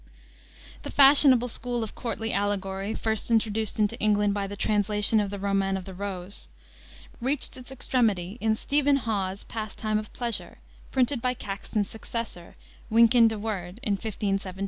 The fashionable school of courtly allegory, first introduced into England by the translation of the Romaunt of the Rose, reached its extremity in Stephen Hawes's Passetyme of Pleasure, printed by Caxton's successor, Wynkyn de Worde, in 1517.